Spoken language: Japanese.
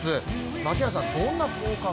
槙原さん、どんな効果が？